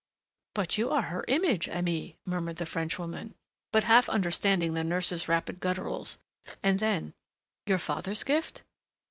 "But you are her image, Aimée," murmured the Frenchwoman, but half understanding the nurse's rapid gutturals, and then, "Your father's gift?"